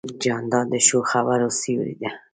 جانداد د ښو خبرو سیوری دی.